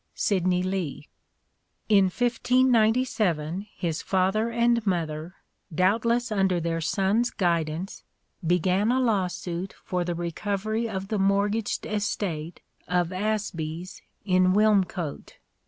(S. L.) In 1597 his father and mother, "doubtless under their son's guidance " began a law suit " for the recovery of the mortgaged estate of Asbies in Wilmcote